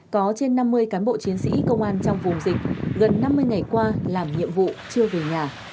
có trên năm mươi cán bộ chiến sĩ công an trong vùng dịch gần năm mươi ngày qua làm nhiệm vụ chưa về nhà